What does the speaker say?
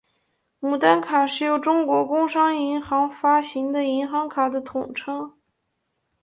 牡丹卡是由中国工商银行发行的银行卡的统称。